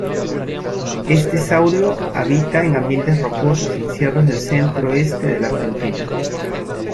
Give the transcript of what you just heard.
Este saurio habita en ambientes rocosos en sierras del centro-este de la Argentina.